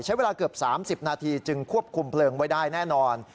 ใช้เวลาเกือบ๓๐นาทีจึงควบคุมเพลิงไว้ได้แน่นอน